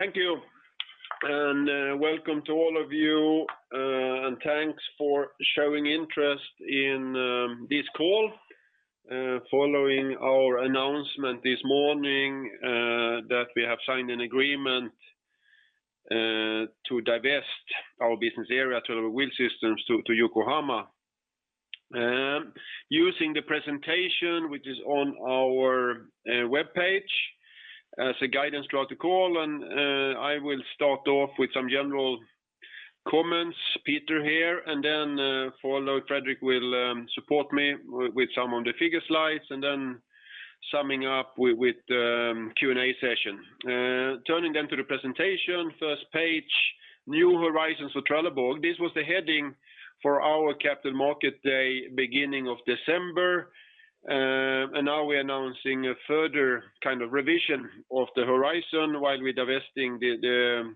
Thank you, and welcome to all of you, and thanks for showing interest in this call, following our announcement this morning, that we have signed an agreement to divest our business area, the Wheel Systems, to Yokohama. Using the presentation, which is on our webpage as guidance throughout the call, I will start off with some general comments, Peter here, and then Fredrik will support me with some of the figure slides and then summing up with the Q&A session. Turning to the presentation, first page, New Horizons for Trelleborg. This was the heading for our capital market day beginning of December, and now we're announcing a further kind of revision of the horizon while we're divesting the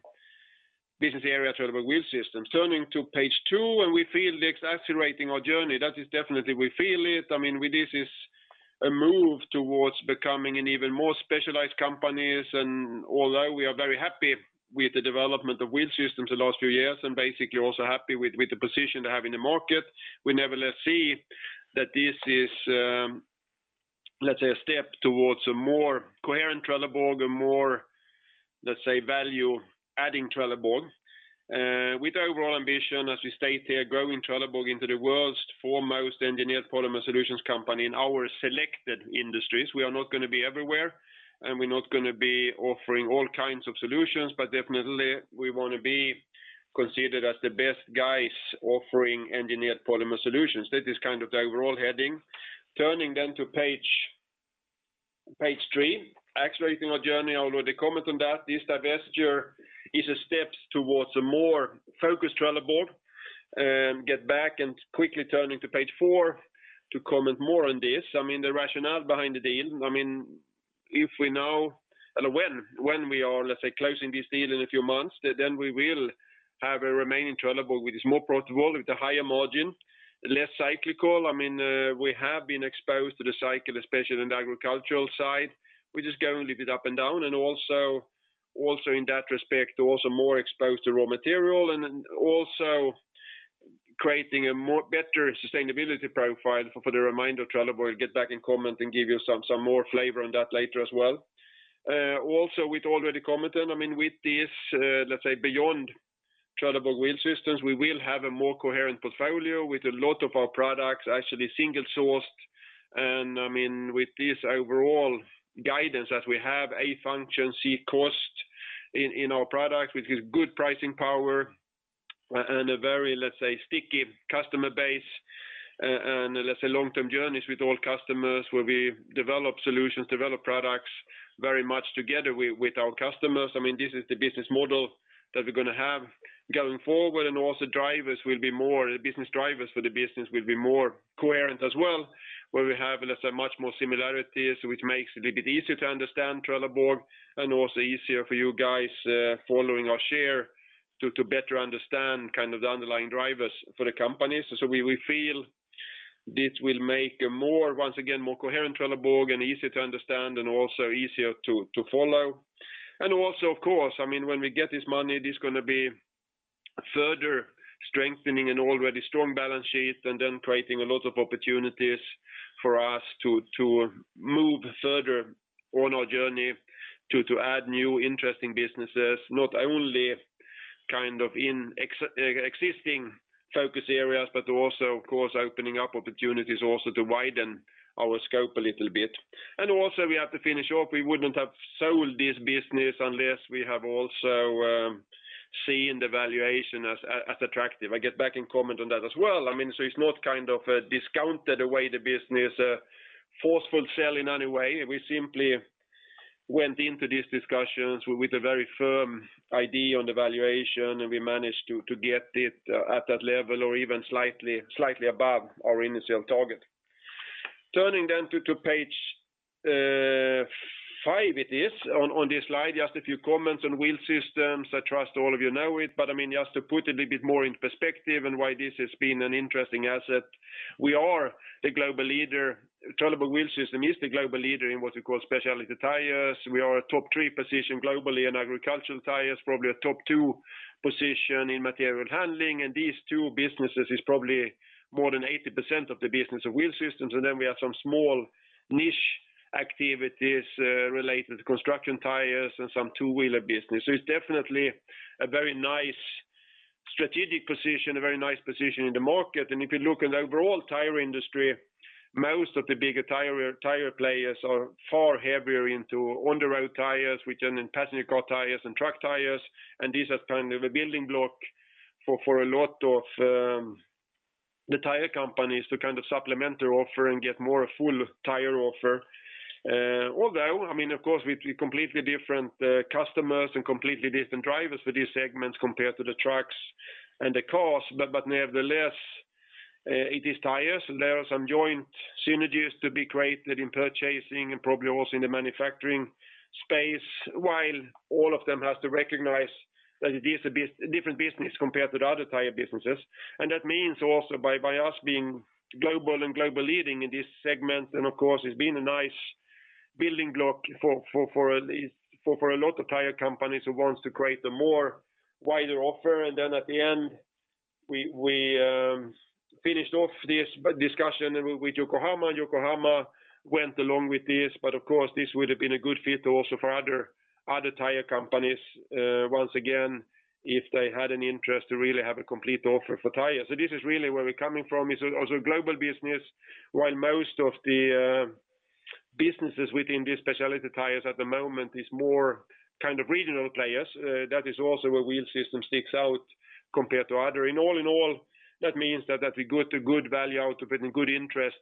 business area Trelleborg Wheel Systems. Turning to page two, we feel the acceleration of our journey. That is definitely, we feel it. I mean, with this is a move towards becoming an even more specialized company, and although we are very happy with the development of Wheel Systems the last few years, and basically also happy with the position to have in the market, we nevertheless see that this is, let's say, a step towards a more coherent Trelleborg, a more, let's say, value adding Trelleborg. With our overall ambition, as we state here, growing Trelleborg into the world's foremost engineered polymer solutions company in our selected industries. We are not gonna be everywhere, and we're not gonna be offering all kinds of solutions, but definitely we wanna be considered as the best guys offering engineered polymer solutions. That is kind of the overall heading. Turning then to page three. Accelerating our journey, I already comment on that. This divestiture is a steps towards a more focused Trelleborg, get back and quickly turning to page four to comment more on this. I mean, the rationale behind the deal, I mean, or when we are, let's say, closing this deal in a few months, then we will have a remaining Trelleborg with this more profitable, with a higher margin, less cyclical. I mean, we have been exposed to the cycle, especially in the agricultural side. We're just going a little bit up and down, and also in that respect, also more exposed to raw material and then also creating a more better sustainability profile for the remainder of Trelleborg. Get back and comment and give you some more flavor on that later as well. Also, we'd already commented, I mean, with this, let's say beyond Trelleborg Wheel Systems, we will have a more coherent portfolio with a lot of our products, actually single sourced. I mean, with this overall guidance that we have a function of cost in our product, which is good pricing power and a very, let's say, sticky customer base, and let's say long-term journeys with all customers where we develop solutions, develop products very much together with our customers. I mean, this is the business model that we're gonna have going forward, and also drivers will be more business drivers for the business will be more coherent as well, where we have, let's say, much more similarities, which makes it a bit easier to understand Trelleborg and also easier for you guys following our share to better understand kind of the underlying drivers for the company. We feel this will make a more, once again, more coherent Trelleborg and easier to understand and also easier to follow. Of course, I mean, when we get this money, this gonna be further strengthening an already strong balance sheet and then creating a lot of opportunities for us to move further on our journey to add new interesting businesses, not only kind of in existing focus areas, but also of course opening up opportunities also to widen our scope a little bit. We have to finish off. We wouldn't have sold this business unless we have also seen the valuation as attractive. I'll get back and comment on that as well. I mean, so it's not kind of a discounted away the business, a forceful sell in any way. We simply went into these discussions with a very firm idea on the valuation, and we managed to get it at that level or even slightly above our initial target. Turning to page five. It is on this slide. Just a few comments on Wheel Systems. I trust all of you know it, but I mean, just to put a little bit more in perspective and why this has been an interesting asset. We are the global leader. Trelleborg Wheel Systems is the global leader in what's it called specialty tires. We are a top three position globally in agricultural tires, probably a top two position in material handling, and these two businesses is probably more than 80% of the business of Wheel Systems. Then we have some small niche activities related to construction tires and some two-wheeler business. It's definitely a very nice strategic position, a very nice position in the market. If you look at the overall tire industry, most of the bigger tire players are far heavier into on the road tires, which are in passenger car tires and truck tires. These are kind of a building block for a lot of the tire companies to kind of supplement their offer and get more a full tire offer. Although, I mean, of course, with completely different customers and completely different drivers for these segments compared to the trucks and the cars, but nevertheless, it is tires. There are some joint synergies to be created in purchasing and probably also in the manufacturing space, while all of them has to recognize that it is a different business compared to the other tire businesses. That means also by us being global and global leading in this segment, and of course it's been a nice building block for a lot of tire companies who wants to create a more wider offer. Then at the end, we finished off this discussion with Yokohama. Yokohama went along with this, but of course, this would have been a good fit also for other tire companies, once again, if they had an interest to really have a complete offer for tires. This is really where we're coming from. It's a global business, while most of the businesses within these specialty tires at the moment is more kind of regional players. That is also where Wheel Systems sticks out compared to other. In all, that means that we got a good value out of it and good interest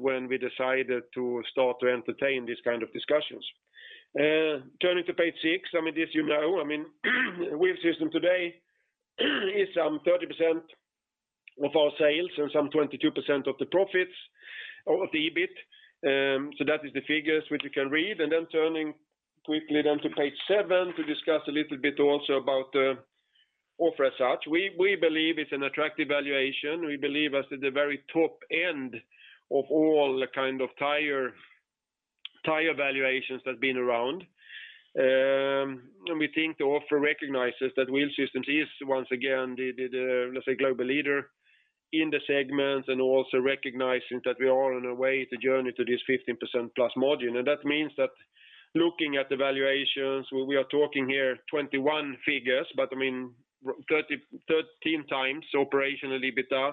when we decided to start to entertain these kind of discussions. Turning to page 6. I mean, as you know, I mean, Wheel Systems today is some 30% of our sales and some 22% of the profits or the EBIT. So that is the figures which you can read. Turning quickly down to page 7 to discuss a little bit also about the offer as such. We believe it's an attractive valuation. We believe it's at the very top end of all the kind of tire valuations that's been around. We think the offer recognizes that Wheel Systems is once again the, let's say, global leader in the segment and also recognizing that we are on a way to journey to this 15%+ margin. That means that looking at the valuations, we are talking here 21 figures, but I mean, 13 times operational EBITDA,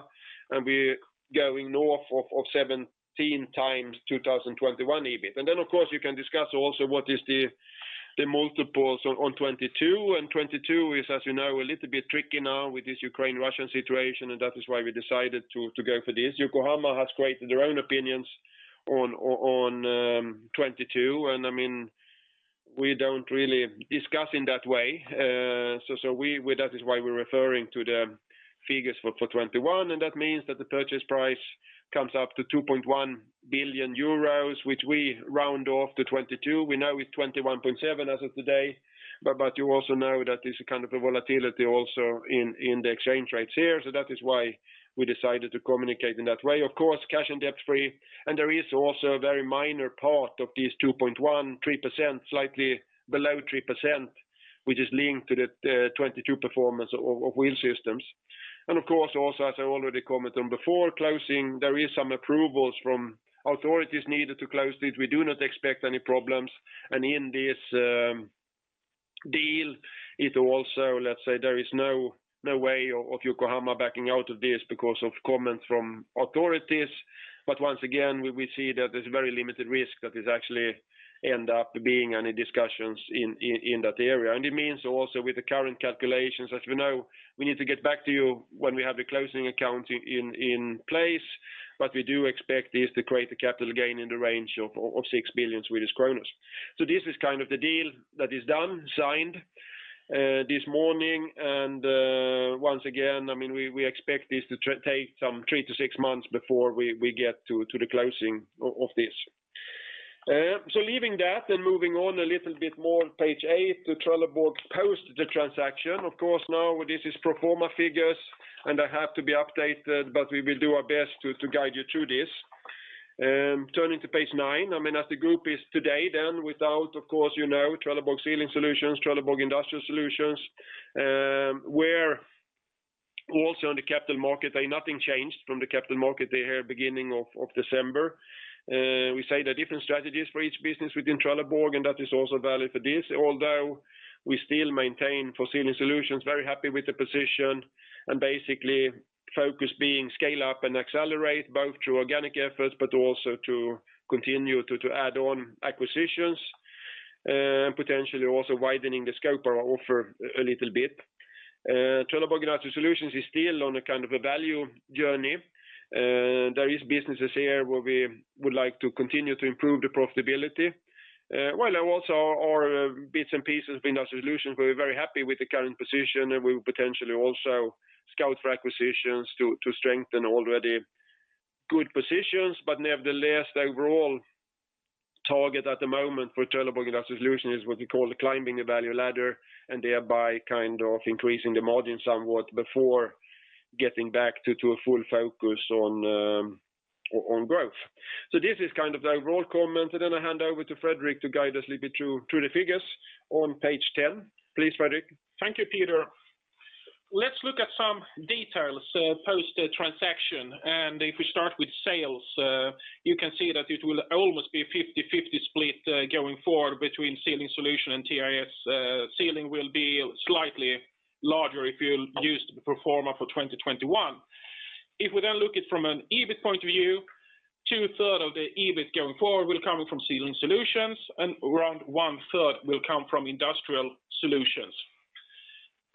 and we're going north of 17 times 2021 EBIT. Then, of course, you can discuss also what is the multiples on 2022. 2022 is, as you know, a little bit tricky now with this Ukraine-Russian situation, and that is why we decided to go for this. Yokohama has created their own opinions on 2022. I mean, we don't really discuss in that way. That is why we're referring to the figures for 2021, and that means that the purchase price comes up to 2.1 billion euros, which we round off to 22 billion. We're now with 21.7 billion as of today, but you also know that there's a kind of a volatility also in the exchange rates here. That is why we decided to communicate in that way. Of course, cash and debt-free. There is also a very minor part of this 2.13%, slightly below 3%, which is linked to the 2022 performance of Wheel Systems. Of course, also, as I already commented on before closing, there is some approvals from authorities needed to close this. We do not expect any problems. In this deal, it also, let's say there is no way of Yokohama backing out of this because of comments from authorities. Once again, we see that there's very limited risk that this actually end up being any discussions in that area. It means also with the current calculations, as we know, we need to get back to you when we have the closing account in place. We do expect this to create a capital gain in the range of 6 billion. This is kind of the deal that is done, signed this morning. Once again, I mean, we expect this to take some 3-6 months before we get to the closing of this. Leaving that and moving on a little bit more to page 8, the Trelleborg post the transaction. Of course, now this is pro forma figures, and they have to be updated, but we will do our best to guide you through this. Turning to page 9. I mean, as the group is today, then without, of course, you know, Trelleborg Sealing Solutions, Trelleborg Industrial Solutions, where also on the Capital Markets, nothing changed from the Capital Markets they had beginning of December. We say there are different strategies for each business within Trelleborg, and that is also valid for this. Although we still maintain for Sealing Solutions, very happy with the position and basically focus being scale up and accelerate both through organic efforts, but also to continue to add on acquisitions, potentially also widening the scope or offer a little bit. Trelleborg Industrial Solutions is still on a kind of a value journey. There is businesses here where we would like to continue to improve the profitability. While also our bits and pieces business solutions, we're very happy with the current position, and we will potentially also scout for acquisitions to strengthen already good positions. Nevertheless, the overall target at the moment for Trelleborg Industrial Solutions is what we call climbing the value ladder and thereby kind of increasing the margin somewhat before getting back to a full focus on growth. This is kind of the overall comment. Then I hand over to Fredrik to guide us a little bit through the figures on page 10. Please, Fredrik. Thank you, Peter. Let's look at some details post the transaction. If we start with sales, you can see that it will almost be a 50/50 split, going forward between Sealing Solutions and TIS. Sealing will be slightly larger if you use the pro forma for 2021. If we then look at it from an EBIT point of view, two-thirds of the EBIT going forward will come from Sealing Solutions, and around one-third will come from Industrial Solutions.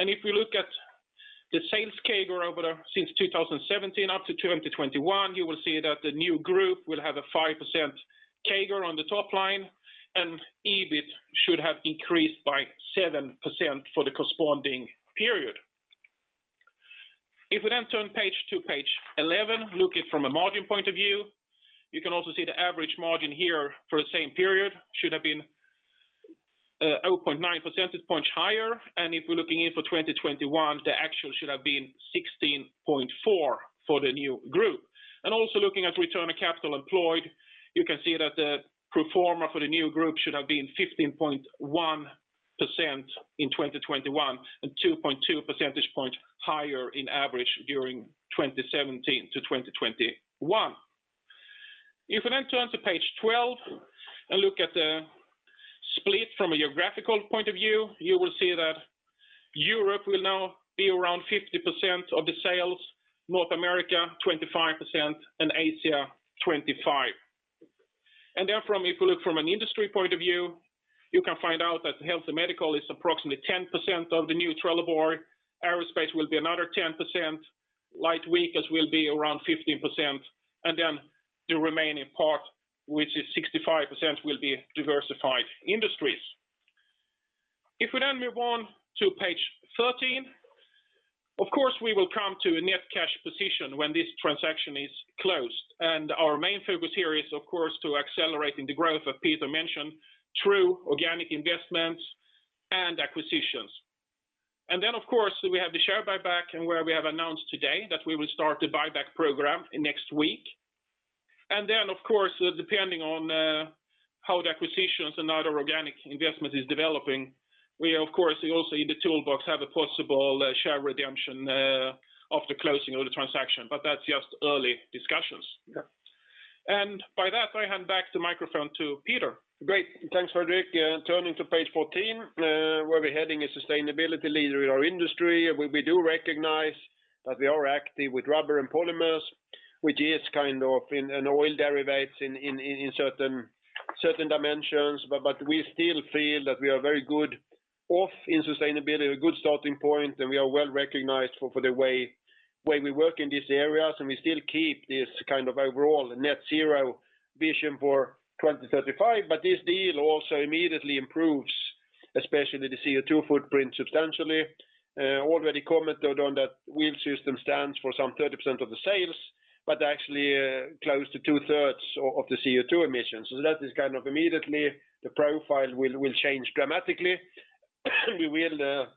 If we look at the sales CAGR since 2017 up to 2021, you will see that the new group will have a 5% CAGR on the top line, and EBIT should have increased by 7% for the corresponding period. If we then turn to page eleven, look at it from a margin point of view, you can also see the average margin here for the same period should have been 0.9 percentage points higher. If we're looking in for 2021, the actual should have been 16.4% for the new group. Also looking at return on capital employed, you can see that the pro forma for the new group should have been 15.1% in 2021 and 2.2 percentage points higher on average during 2017-2021. If we then turn to page twelve and look at the split from a geographical point of view, you will see that Europe will now be around 50% of the sales, North America 25%, and Asia 25%. Therefore, if you look from an industry point of view, you can find out that health and medical is approximately 10% of the new Trelleborg. Aerospace will be another 10%. Light vehicles will be around 15%. The remaining part, which is 65%, will be diversified industries. If we then move on to page 13, of course, we will come to a net cash position when this transaction is closed. Our main focus here is of course to accelerating the growth that Peter mentioned through organic investments and acquisitions. Of course, we have the share buyback and where we have announced today that we will start the buyback program next week. Of course, depending on how the acquisitions and other organic investment is developing, we of course also in the toolbox have a possible share redemption after closing of the transaction. That's just early discussions. Yeah. By that, I hand back the microphone to Peter. Great. Thanks, Fredrik. Turning to page 14, where we're a leading sustainability leader in our industry. We do recognize that we are active with rubber and polymers, which is kind of an oil derivative in certain dimensions. But we still feel that we are very well off in sustainability, a good starting point, and we are well-recognized for the way we work in these areas, and we still keep this kind of overall net zero vision for 2035. But this deal also immediately improves, especially the CO2 footprint substantially. Already commented on that Wheel Systems stands for some 30% of the sales, but actually, close to two-thirds of the CO2 emissions. That is kind of immediately the profile will change dramatically. We will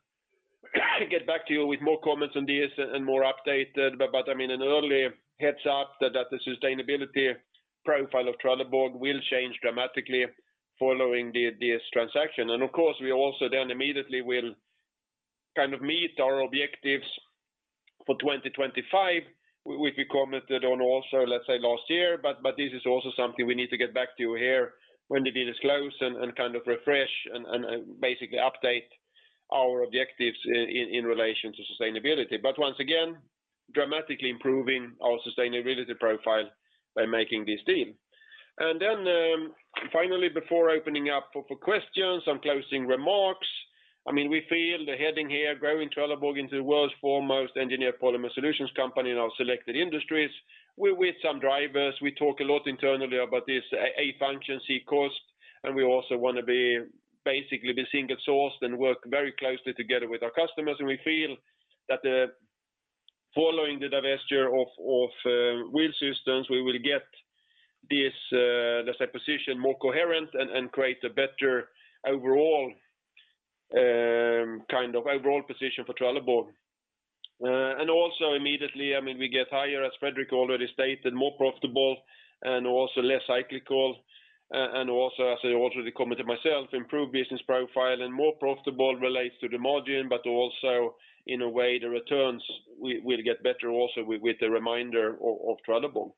get back to you with more comments on this and more updated. I mean, an early heads-up that the sustainability profile of Trelleborg will change dramatically following this transaction. Of course, we also then immediately will kind of meet our objectives for 2025, which we commented on also let's say last year. This is also something we need to get back to you here when the deal is closed and kind of refresh and basically update our objectives in relation to sustainability. Once again, dramatically improving our sustainability profile by making this deal. Finally, before opening up for questions, some closing remarks. I mean, we feel the heading here, growing Trelleborg into the world's foremost engineered polymer solutions company in our selected industries. We, with some drivers, we talk a lot internally about this a function of cost, and we also want to be basically single sourced and work very closely together with our customers. We feel that following the divestiture of Wheel Systems, we will get this, let's say position more coherent and create a better overall kind of overall position for Trelleborg. Also immediately, I mean, we get higher, as Fredrik already stated, more profitable and also less cyclical. Also, as I already commented myself, improved business profile and more profitable relates to the margin, but also in a way the returns will get better also with the remainder of Trelleborg.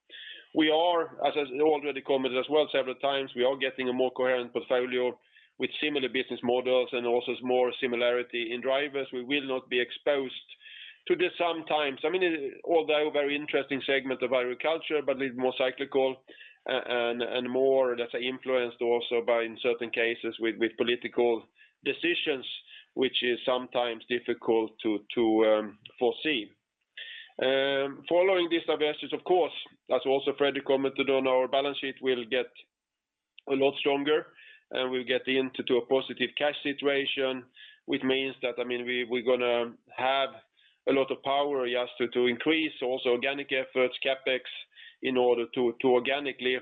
We are, as I already commented as well several times, we are getting a more coherent portfolio with similar business models and also some more similarity in drivers. We will not be exposed to this sometimes. I mean, although very interesting segment of agriculture, but it's more cyclical and more, let's say, influenced also by in certain cases with political decisions, which is sometimes difficult to foresee. Following these divestitures, of course, as also Fredrik commented on our balance sheet will get a lot stronger, and we'll get into a positive cash situation, which means that, I mean, we're gonna have a lot of power just to increase also organic efforts, CapEx, in order to organically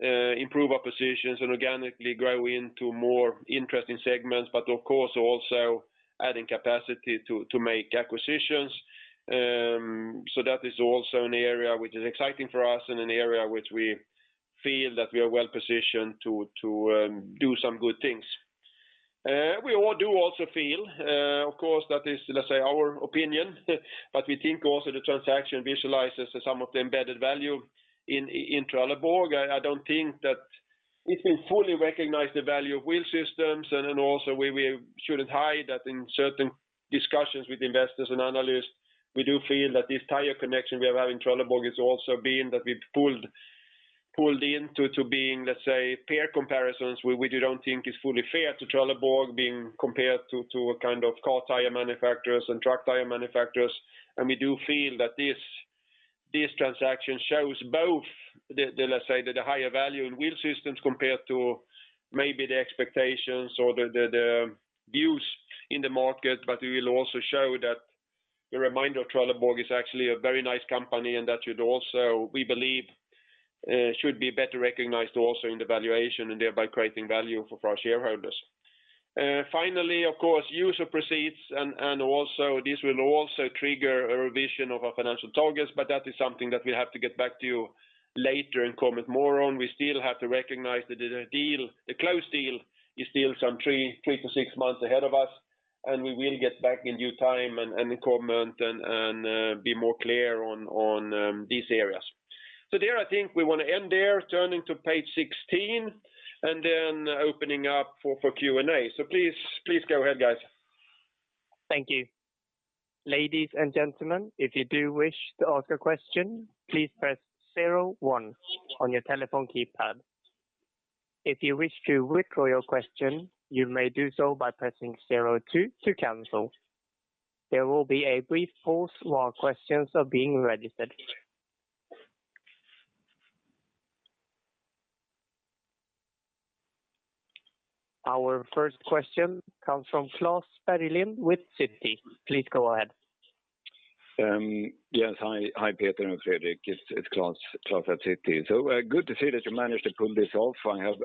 improve our positions and organically grow into more interesting segments, but of course also adding capacity to make acquisitions. That is also an area which is exciting for us and an area which we feel that we are well-positioned to do some good things. We also feel, of course, that is, let's say, our opinion, but we think also the transaction visualizes some of the embedded value in Trelleborg. I don't think that it will fully recognize the value of Wheel Systems and then also we shouldn't hide that in certain discussions with investors and analysts, we do feel that this tire connection we have had in Trelleborg has also been that we've pulled into being, let's say, peer comparisons. We don't think it's fully fair to Trelleborg being compared to a kind of car tire manufacturers and truck tire manufacturers. We do feel that this transaction shows both the, let's say, the higher value in Wheel Systems compared to maybe the expectations or the views in the market, but it will also show that the remainder of Trelleborg is actually a very nice company, and that should also, we believe, be better recognized also in the valuation and thereby creating value for our shareholders. Finally, of course, use of proceeds and this will trigger a revision of our financial targets, but that is something that we have to get back to later and comment more on. We still have to recognize that the closed deal is still some 3-6 months ahead of us, and we will get back in due time and comment and be more clear on these areas. There, I think we want to end there, turning to page 16 and then opening up for Q&A. Please go ahead, guys. Thank you. There will be a brief pause while questions are being registered. Our first question comes from Klas Bergelind with Citi. Please go ahead. Yes. Hi. Hi, Peter and Fredrik. It's Klas at Citi. Good to see that you managed to pull this off. I have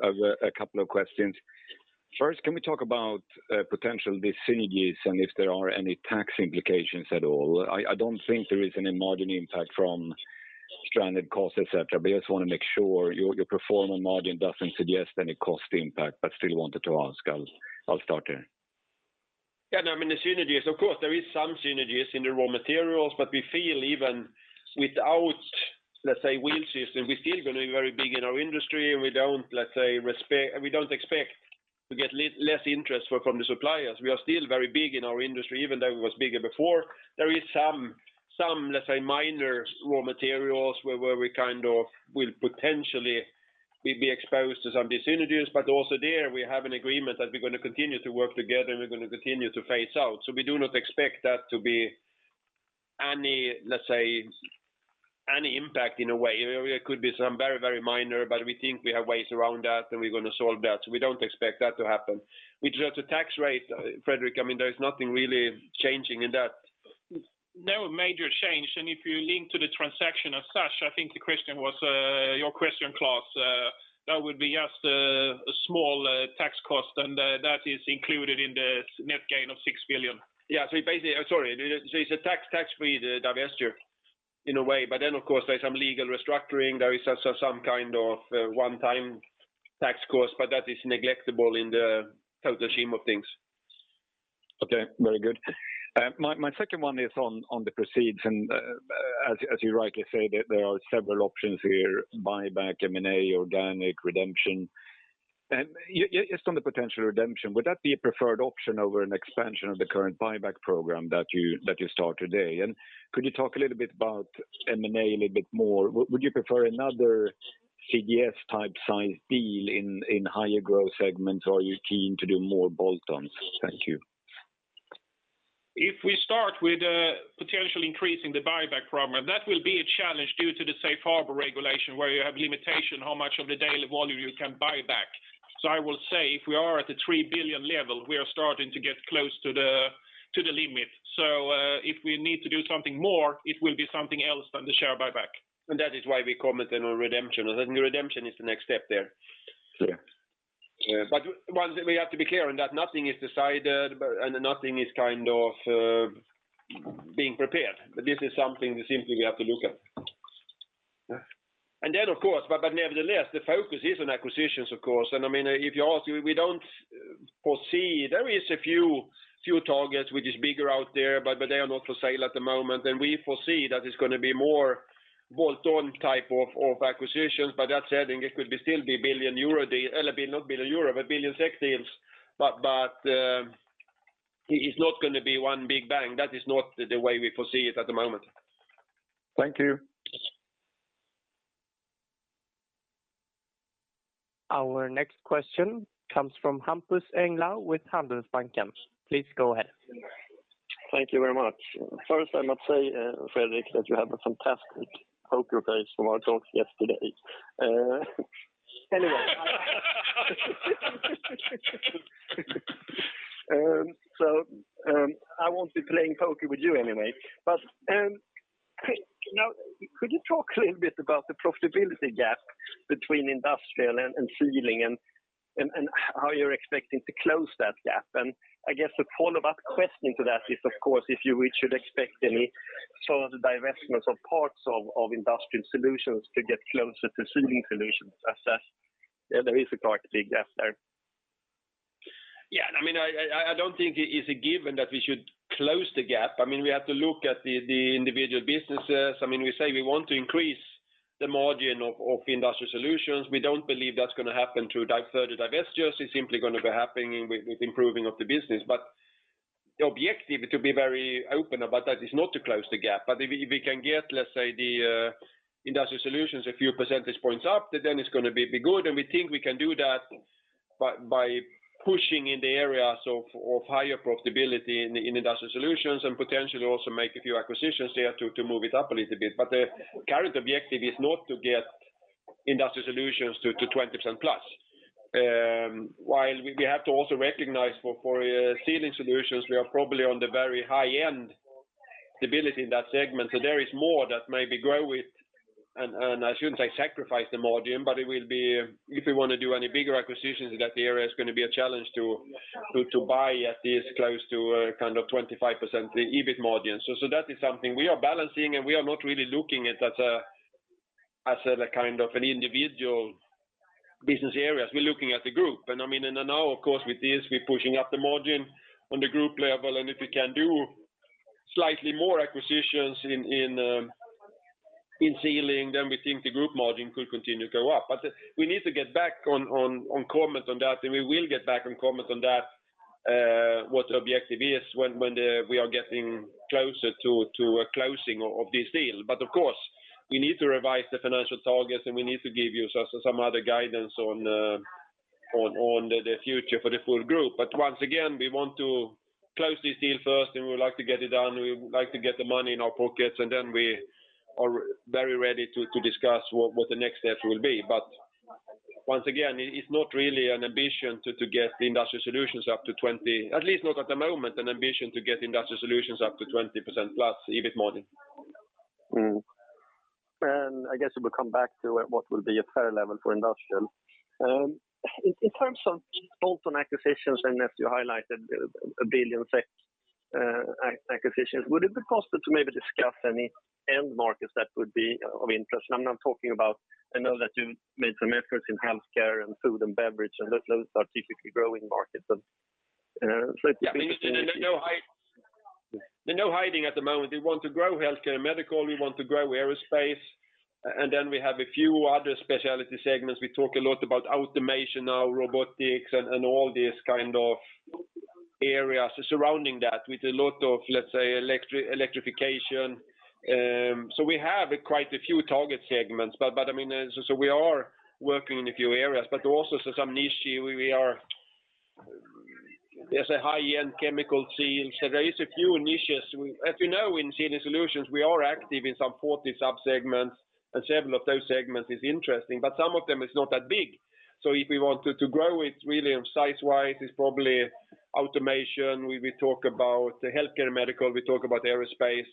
a couple of questions. First, can we talk about potential dissynergies and if there are any tax implications at all? I don't think there is any margin impact from stranded costs, et cetera, but I just want to make sure your performance margin doesn't suggest any cost impact, but still wanted to ask. I'll start there. Yeah. No, I mean, the synergies, of course, there is some synergies in the raw materials, but we feel even without, let's say, wheel system, we're still going to be very big in our industry, and we don't, let's say, we don't expect to get less interest for, from the suppliers. We are still very big in our industry, even though it was bigger before. There is some, let's say, minor raw materials where we kind of will potentially we'd be exposed to some dissynergies, but also there, we have an agreement that we're going to continue to work together and we're going to continue to phase out. We do not expect that to be any, let's say, any impact in a way. There could be some very minor, but we think we have ways around that, and we're going to solve that. We don't expect that to happen. With regard to tax rate, Fredrik, I mean, there's nothing really changing in that. No major change. If you link to the transaction as such, I think the question was, your question, Klas, that would be just a small tax cost, and that is included in the SEK net gain of 6 billion. It's a tax-free divestiture in a way. Of course, there's some legal restructuring. There is some kind of one-time tax cost, but that is negligible in the total scheme of things. Okay, very good. My second one is on the proceeds, and as you rightly say, there are several options here, buyback, M&A, organic, redemption. Yes, on the potential redemption, would that be a preferred option over an expansion of the current buyback program that you start today? Could you talk a little bit about M&A a little bit more? Would you prefer another CGS type size deal in higher growth segments? Or are you keen to do more bolt-ons? Thank you. If we start with potentially increasing the buyback program, that will be a challenge due to the safe harbor regulation where you have limitation how much of the daily volume you can buy back. I will say if we are at the 3 billion level, we are starting to get close to the limit. If we need to do something more, it will be something else than the share buyback. That is why we commented on redemption. The redemption is the next step there. Yeah. Yeah. Well, we have to be clear on that nothing is decided, but and nothing is kind of being prepared. This is something that simply we have to look at. Yeah. Then, of course, but nevertheless, the focus is on acquisitions, of course. I mean, if you ask, we don't foresee. There are a few targets which are bigger out there, but they are not for sale at the moment. We foresee that it's gonna be more bolt-on type of acquisitions. That said, I think it could still be 1 billion euro deal. Not billion euro, but billion SEK deals. But it's not gonna be one big bang. That is not the way we foresee it at the moment. Thank you. Our next question comes from Hampus Engellau with Handelsbanken. Please go ahead. Thank you very much. First, I must say, Fredrik, that you have a fantastic poker face from our talks yesterday. Anyway. So, I won't be playing poker with you anyway. Could you talk a little bit about the profitability gap between Industrial and Sealing and how you're expecting to close that gap? I guess a follow-up question to that is, of course, if we should expect any further divestments of parts of Industrial Solutions to get closer to Sealing Solutions as there is a quite big gap there. Yeah. I mean, I don't think it is a given that we should close the gap. I mean, we have to look at the individual businesses. I mean, we say we want to increase the margin of Industrial Solutions. We don't believe that's gonna happen through further divestitures. It's simply gonna be happening with improving of the business. The objective, to be very open about that, is not to close the gap. If we can get, let's say, Industrial Solutions a few percentage points up, then it's gonna be good, and we think we can do that by pushing in the areas of higher profitability in Industrial Solutions and potentially also make a few acquisitions there to move it up a little bit. The current objective is not to get Industrial Solutions to 20%+. While we have to also recognize for Sealing Solutions, we are probably on the very high-end stability in that segment. So there is more that maybe grow with, and I shouldn't say sacrifice the margin, but it will be if we wanna do any bigger acquisitions, that area is gonna be a challenge to buy at this close to kind of 25%, the EBIT margin. So that is something we are balancing, and we are not really looking at as a kind of an individual business areas. We're looking at the group. I mean, now of course with this, we're pushing up the margin on the group level, and if we can do slightly more acquisitions in Sealing, then we think the group margin could continue to go up. We need to get back to comment on that, and we will get back to comment on that, what the objective is when we are getting closer to a closing of this deal. Of course, we need to revise the financial targets, and we need to give you some other guidance on the future for the full group. Once again, we want to close this deal first, and we would like to get it done. We would like to get the money in our pockets, and then we are very ready to discuss what the next steps will be. Once again, it's not really an ambition to get Industrial Solutions up to 20%, at least not at the moment, an ambition to get Industrial Solutions up to 20%+ EBIT margin. I guess we'll come back to what will be a fair level for Industrial. In terms of bolt-on acquisitions, and Alf, you highlighted 1 billion acquisitions, would it be possible to maybe discuss any end markets that would be of interest? I'm not talking about. I know that you made some efforts in healthcare and food and beverage, and those are typically growing markets, but if you can Yeah, I mean, there's no hiding at the moment. We want to grow healthcare and medical, we want to grow aerospace, and then we have a few other specialty segments. We talk a lot about automation now, robotics and all these kind of areas surrounding that with a lot of, let's say, electrification. We have quite a few target segments. I mean, so we are working in a few areas, but also some niche we are, there's a high-end chemical sealing. There is a few niches. As you know, in Sealing Solutions, we are active in some 40 sub-segments, and several of those segments is interesting, but some of them is not that big. If we want to grow, it's really size-wise, it's probably automation. We talk about the healthcare and medical, we talk about aerospace.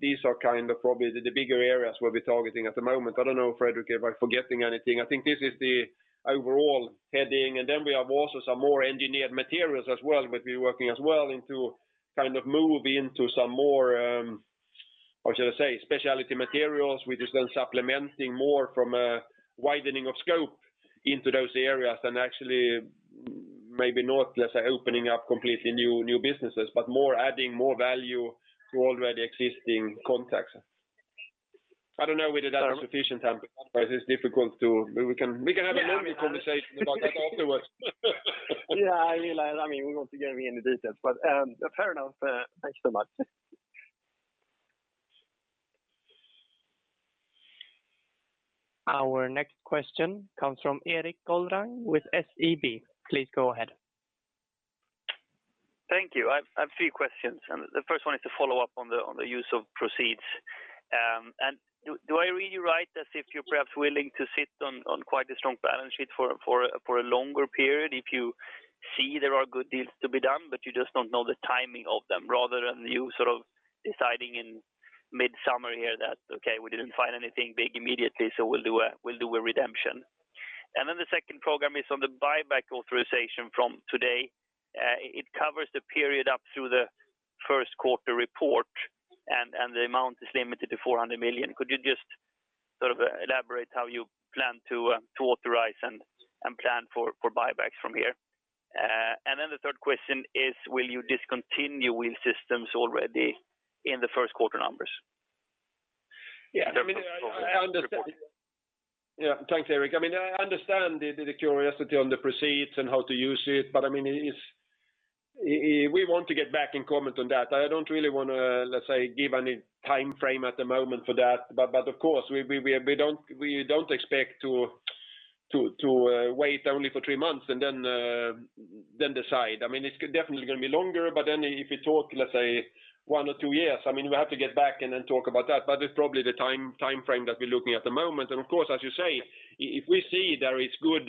These are kind of probably the bigger areas we'll be targeting at the moment. I don't know, Fredrik, if I'm forgetting anything. I think this is the overall heading. Then we have also some more engineered materials as well. We'll be working as well into kind of move into some more, how should I say, specialty materials. We're just then supplementing more from a widening of scope into those areas and actually maybe not less opening up completely new businesses, but more adding more value to already existing contacts. I don't know whether that's sufficient. We can have a longer conversation about that afterwards. Yeah, I mean, we won't go really into details, but fair enough. Thanks so much. Our next question comes from Erik Golrang with SEB. Please go ahead. Thank you. I've three questions, and the first one is to follow up on the use of proceeds. Do I read you right as if you're perhaps willing to sit on quite a strong balance sheet for a longer period if you see there are good deals to be done, but you just don't know the timing of them, rather than you sort of deciding in mid-summer here that, "Okay, we didn't find anything big immediately, so we'll do a redemption"? The second program is on the buyback authorization from today. It covers the period up through the first quarter report, and the amount is limited to 400 million. Could you just sort of elaborate how you plan to authorize and plan for buybacks from here? The third question is, will you discontinue Wheel Systems already in the first quarter numbers? Yeah. I mean, I understand. Report. Yeah. Thanks, Erik. I mean, I understand the curiosity on the proceeds and how to use it. I mean, we want to get back and comment on that. I don't really wanna, let's say, give any timeframe at the moment for that. Of course, we don't expect to wait only for three months and then decide. I mean, it's definitely gonna be longer. If you talk, let's say, one or two years, I mean, we have to get back and then talk about that. It's probably the timeframe that we're looking at the moment. Of course, as you say, if we see there is good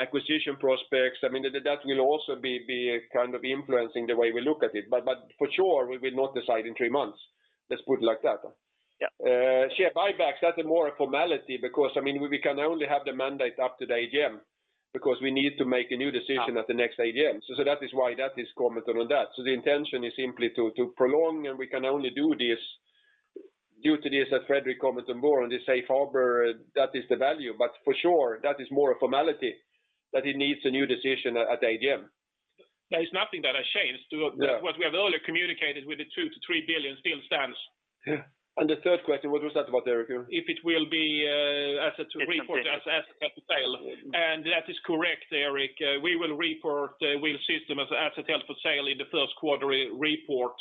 acquisition prospects, I mean, that will also be kind of influencing the way we look at it. For sure, we will not decide in three months. Let's put it like that. Yeah. Share buybacks, that's more a formality because, I mean, we can only have the mandate up to the AGM because we need to make a new decision at the next AGM. That is why that is commented on that. The intention is simply to prolong, and we can only do this due to this, as Fredrik commented more on the safe harbor, that is the value. For sure, that is more a formality that it needs a new decision at the AGM. There is nothing that has changed. Yeah. What we have earlier communicated with the 2 billion-3 billion still stands. Yeah. The third question, what was that about, Erik? It will be an asset to report as Assets held for sale. That is correct, Erik. We will report Wheel Systems as Assets held for sale in the first quarter re-report.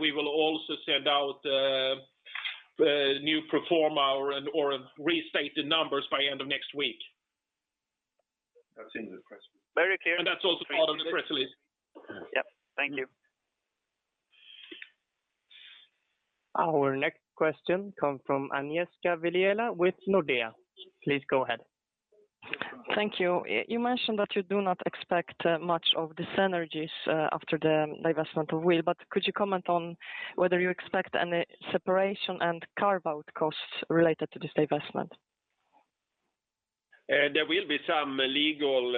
We will also send out new pro forma or restate the numbers by end of next week. That's in the press release. Very clear. That's also part of the press release. Yep. Thank you. Our next question comes from Agnieszka Vilela with Nordea. Please go ahead. Thank you. You mentioned that you do not expect much of the synergies after the divestment of Wheel, but could you comment on whether you expect any separation and carve-out costs related to this divestment? There will be some legal,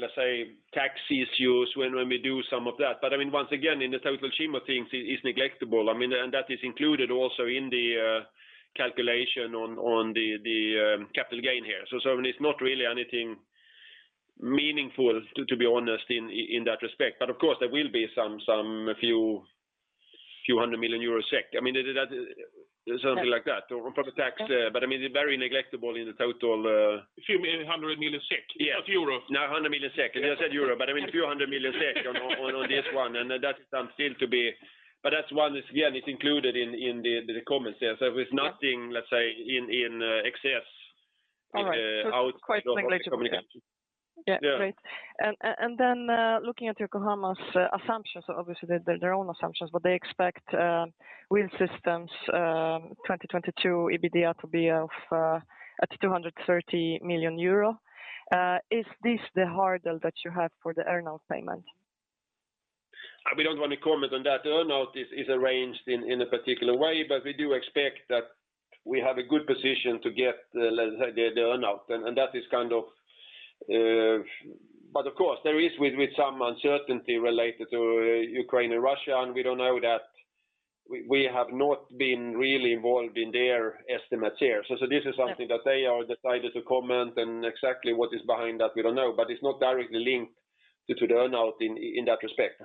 let's say tax issues when we do some of that. I mean, once again, in the total scheme of things it is negligible. I mean, that is included also in the calculation on the capital gain here. I mean, it's not really anything meaningful to be honest in that respect. Of course, there will be some few hundred million euros SEK. I mean, that's something like that for the tax. I mean, very negligible in the total. few hundred million SEK, not euro. No, 100 million SEK. I said euro, but I mean few 100 million SEK on this one, and that is still to be. That's one, again, it's included in the comments here. It's nothing, let's say, in excess in out- All right. It's quite negligible. Yeah. Great. Looking at Yokohama's assumptions, obviously they're their own assumptions, but they expect Wheel Systems 2022 EBITDA to be at 230 million euro. Is this the hurdle that you have for the earn out payment? We don't want to comment on that. The earn out is arranged in a particular way, but we do expect that we have a good position to get the, let's say, the earn out. That is kind of. Of course, there is with some uncertainty related to Ukraine and Russia, and we don't know that we have not been really involved in their estimates here. This is something that they are decided to comment, and exactly what is behind that, we don't know. It's not directly linked to the earn out in that respect.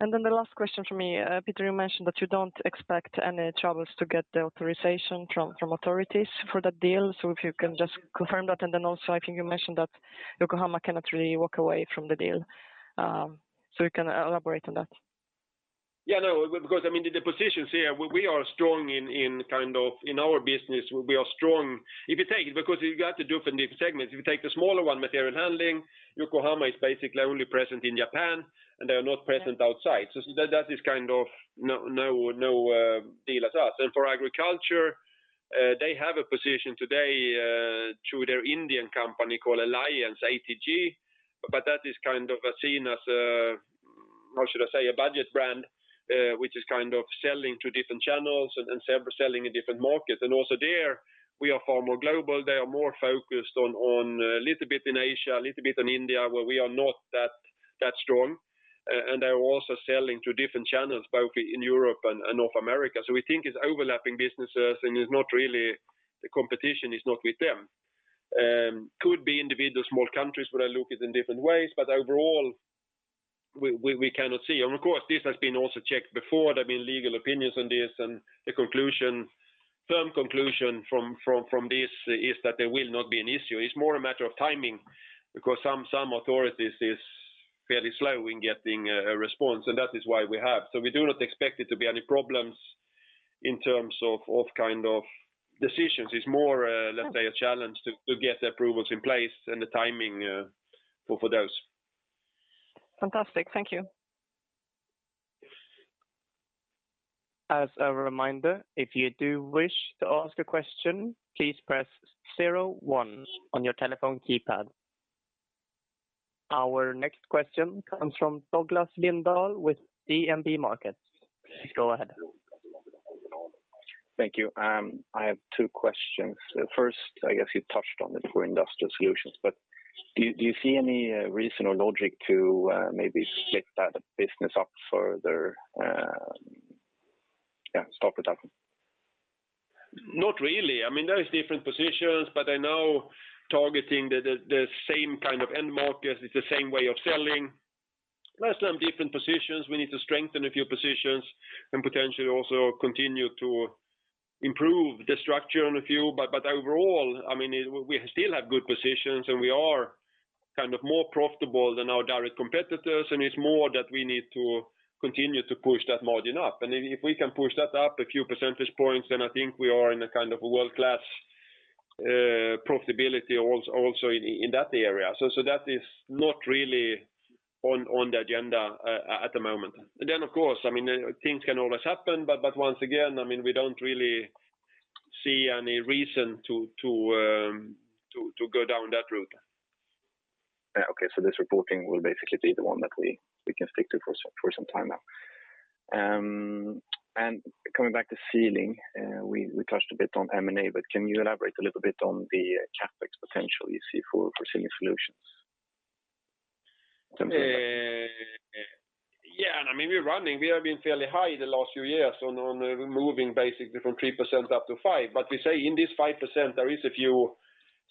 The last question from me. Peter, you mentioned that you don't expect any troubles to get the authorization from authorities for that deal. If you can just confirm that, and then also I think you mentioned that Yokohama cannot really walk away from the deal. You can elaborate on that. Yeah, no, because I mean, the positions here, we are strong in our business, we are strong. You've got the different segments. If you take the smaller one, material handling, Yokohama is basically only present in Japan, and they are not present outside. So that is kind of no deal for us. For agriculture, they have a position today through their Indian company called Alliance ATG, but that is kind of seen as, how should I say, a budget brand, which is kind of selling to different channels and selling in different markets. Also there, we are far more global. They are more focused on a little bit in Asia, a little bit in India, where we are not that strong. They are also selling to different channels, both in Europe and North America. We think it's overlapping businesses, and it's not really the competition is not with them. Could be individual small countries where they look at in different ways, but overall, we cannot see. Of course, this has been also checked before. There have been legal opinions on this, and the firm conclusion from this is that there will not be an issue. It's more a matter of timing because some authorities is fairly slow in getting a response, and that is why we have. We do not expect it to be any problems in terms of kind of decisions. It's more, let's say, a challenge to get the approvals in place and the timing for those. Fantastic. Thank you. As a reminder, if you do wish to ask a question, please press zero one on your telephone keypad. Our next question comes from Douglas Lindahl with DNB Markets. Please go ahead. Thank you. I have two questions. First, I guess you touched on it for Industrial Solutions, but do you see any reason or logic to maybe split that business up further? Yeah, start with that one. Not really. I mean, there is different positions, but targeting the same kind of end markets is the same way of selling. There are some different positions. We need to strengthen a few positions and potentially also continue to improve the structure on a few. Overall, I mean, we still have good positions, and we are kind of more profitable than our direct competitors, and it's more that we need to continue to push that margin up. If we can push that up a few percentage points, then I think we are in a kind of world-class profitability also in that area. That is not really on the agenda at the moment. Of course, I mean, things can always happen, but once again, I mean, we don't really see any reason to go down that route. Okay. This reporting will basically be the one that we can stick to for some time now. Coming back to Sealing, we touched a bit on M&A, but can you elaborate a little bit on the CapEx potential you see for Sealing Solutions? Yeah. I mean, we're running. We have been fairly high the last few years on moving basically from 3% to 5%. We say in this 5%, there are a few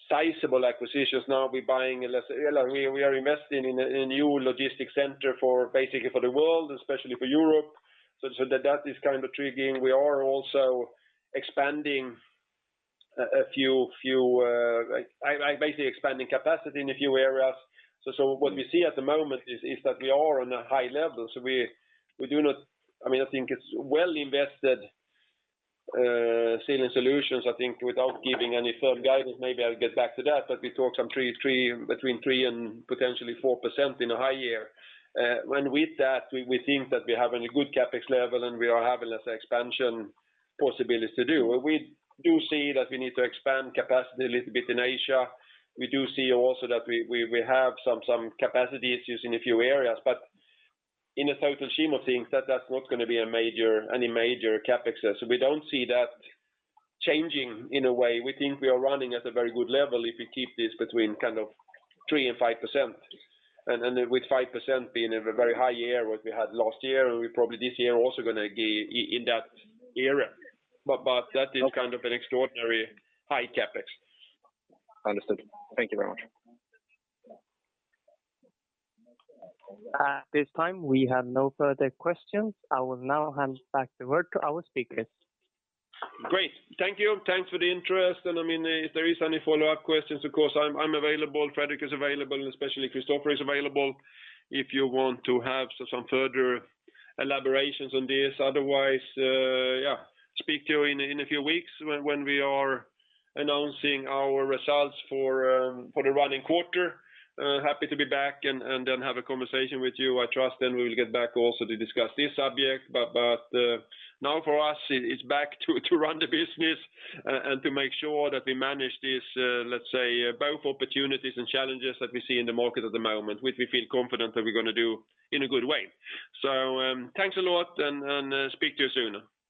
sizable acquisitions. Now we're buying, let's say. We are investing in a new logistics center for basically the world, especially for Europe. That is kind of triggering. We are also expanding a few basically expanding capacity in a few areas. What we see at the moment is that we are on a high level. We do not. I mean, I think it's well invested, Sealing Solutions. I think without giving any firm guidance, maybe I'll get back to that. We talk some three between 3% and potentially 4% in a high year. We think that we have a good CapEx level, and we are having less expansion possibilities to do. We do see that we need to expand capacity a little bit in Asia. We do see also that we have some capacity issues in a few areas. But in the total scheme of things, that's not going to be a major CapEx. So we don't see that changing in a way. We think we are running at a very good level if we keep this between kind of 3%-5%. With 5% being a very high year what we had last year, and we probably this year are also going to be in that area. That is kind of an extraordinary high CapEx. Understood. Thank you very much. At this time, we have no further questions. I will now hand back the word to our speakers. Great. Thank you. Thanks for the interest. I mean, if there is any follow-up questions, of course, I'm available. Fredrik is available, and especially Christofer is available if you want to have some further elaborations on this. Otherwise, yeah, speak to you in a few weeks when we are announcing our results for the running quarter. Happy to be back and then have a conversation with you. I trust then we will get back also to discuss this subject. Now for us, it's back to run the business and to make sure that we manage this, let's say, both opportunities and challenges that we see in the market at the moment, which we feel confident that we're going to do in a good way. Thanks a lot, and speak to you soon.